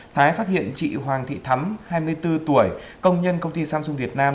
thái phát hiện chị hoàng thị thắm hai mươi bốn tuổi công nhân công ty samsung việt nam